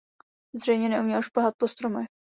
Zřejmě neuměl šplhat po stromech.